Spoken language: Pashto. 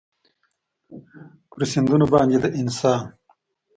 پر سیندونو باندې د انسان